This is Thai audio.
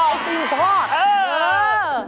อ๋อไอติมทอด